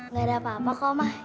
nggak ada apa apa kok mah